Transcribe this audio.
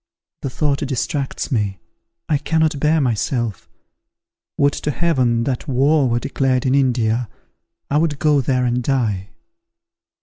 The thought distracts me; I cannot bear myself! Would to Heaven that war were declared in India! I would go there and die."